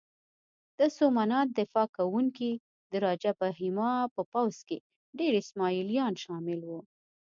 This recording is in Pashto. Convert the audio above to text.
د سومنات دفاع کوونکي د راجه بهیما په پوځ کې ډېر اسماعیلیان شامل وو.